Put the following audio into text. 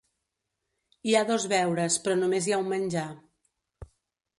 Hi ha dos beures, però només hi ha un menjar.